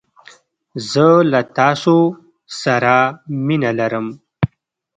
زه له تاسو سره مينه لرم